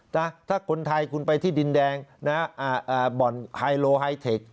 ถ้าคนไทยคุณไปที่ดินแดงนะบ่อนไฮโลไฮเทค